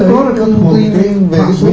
mà họ đủ một cái dữ liệu để họ luận được ra